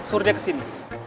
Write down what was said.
suruh dia kesini